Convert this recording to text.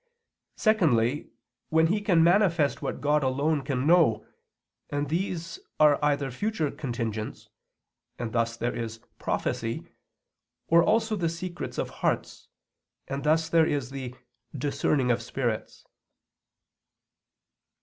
_ Secondly, when he can manifest what God alone can know, and these are either future contingents and thus there is prophecy, or also the secrets of hearts and thus there is the _discerning of spirits.